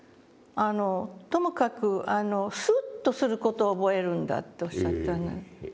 「ともかくスッとする事を覚えるんだ」っておっしゃったの。